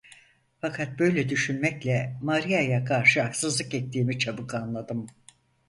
Fakat böyle düşünmekle Maria'ya karşı haksızlık ettiğimi çabuk anladım.